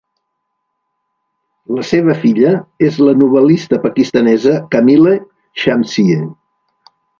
La seva filla és la novel·lista pakistanesa Kamila Shamsie.